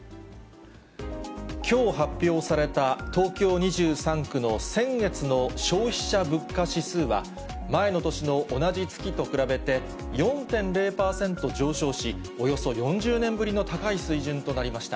きょう発表された、東京２３区の先月の消費者物価指数は、前の年の同じ月と比べて４．０％上昇し、およそ４０年ぶりの高い水準となりました。